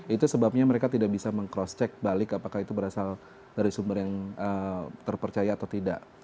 itu sebabnya mereka tidak bisa meng cross check balik apakah itu berasal dari sumber yang terpercaya atau tidak